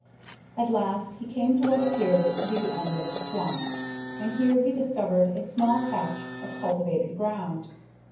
At last he came to what appeared to be the end of the swamp, and here he discovered a small patch of cultivated ground.